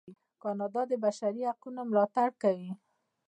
کاناډا د بشري حقونو ملاتړ کوي.